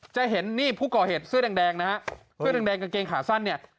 จะเห็นนี่ผู้ก่อเหตุเสื้อแดงนะฮะเสื้อแดงกางเกงขาสั้นเนี่ย